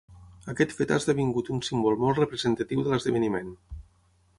Aquest fet ha esdevingut un símbol molt representatiu de l'esdeveniment.